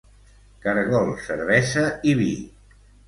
Caragols, cervesa i vi.